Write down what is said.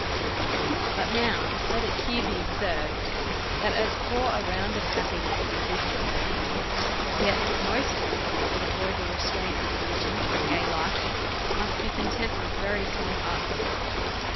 But now let it here be observed, that as poor a round of happiness as this appears, yet most Avomen that avoid the restraints of religion for a gay life must be content with very small parts of it.